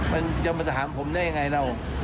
มันจะมาถามผมได้ยังไงเรา